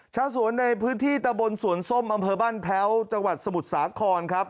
ชาวสวนในพื้นที่ตะบนสวนส้มอำเภอบ้านแพ้วจังหวัดสมุทรสาครครับ